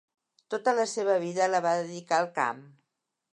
Tota la seva vida la va dedicar al camp.